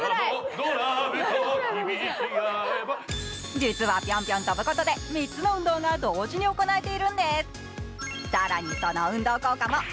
実はピョンピョン跳ぶことで３つの運動が同時に行えるんです。